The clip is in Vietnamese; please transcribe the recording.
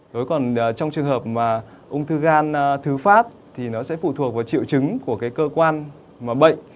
thế còn trong trường hợp mà ung thư gan thứ phát thì nó sẽ phụ thuộc vào triệu chứng của cái cơ quan mà bệnh